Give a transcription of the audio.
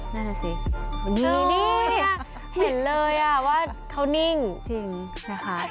นั่นน่ะสินี่เห็นเลยว่าเขานิ่งจริงนะคะ